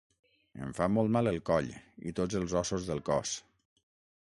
Em fa molt mal el coll i tots els ossos del cos.